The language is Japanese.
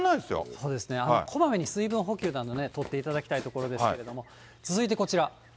そうですね、こまめに水分補給など、とっていただきたいところですけれども、続いてこちら。